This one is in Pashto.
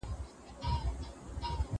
که څوک وايي چي د زړه مېنه سينه ده